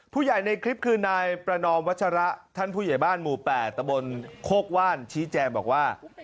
ผู้ใหญ่ในคลิปคือนายประนอมวัชระท่านผู้ใหญ่บ้านหมู่๘ตะบนโคกว่านชี้แจงบอกว่า